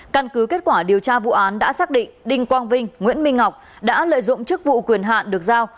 căn cứ kết quả điều tra vụ án đã xác định đinh quang vinh nguyễn minh ngọc đã lợi dụng chức vụ quyền hạn được giao